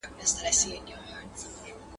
د اولاد نسب د چا تر منځ ثابتيږي؟